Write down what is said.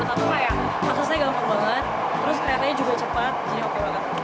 tata tata kayak prosesnya gampang banget terus ternyata juga cepat jadi oke banget